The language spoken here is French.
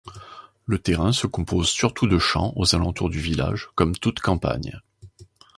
Le terrain se compose surtout de champs aux alentours du village, comme toute campagne.